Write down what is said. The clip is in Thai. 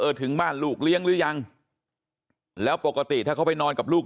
ถึงบ้านลูกเลี้ยงหรือยังแล้วปกติถ้าเขาไปนอนกับลูก